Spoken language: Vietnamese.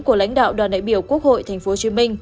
của lãnh đạo đoàn đại biểu quốc hội tp hcm